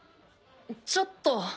ちょっと。